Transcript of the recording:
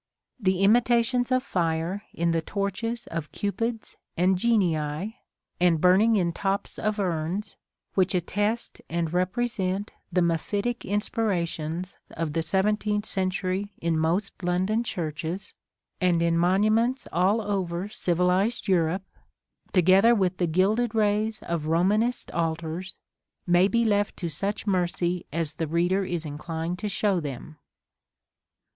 The imitations of fire in the torches of Cupids and genii, and burning in tops of urns, which attest and represent the mephitic inspirations of the seventeenth century in most London churches, and in monuments all over civilised Europe, together with the gilded rays of Romanist altars, may be left to such mercy as the reader is inclined to show them.